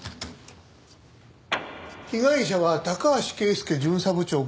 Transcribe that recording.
被害者は高橋啓介巡査部長５５歳。